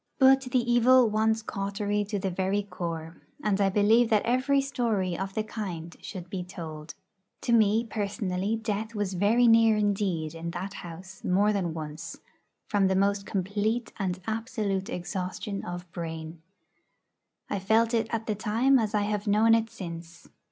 But the evil wants cautery to the very core, and I believe that every story of the kind should be told. To me personally death was very near indeed in that house more than once, from the most complete and absolute exhaustion of brain. I felt it at the time as I have known it since.